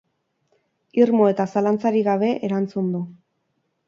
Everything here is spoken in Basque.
Irmo eta zalantzarik gabe erantzun du.